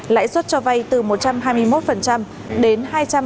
lãi suất cho vay từ một trăm hai mươi một đến hai trăm bốn mươi ba